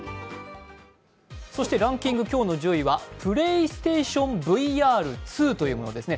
ランキング、今日の１０位はプレイステーションＶＲ２というものですね。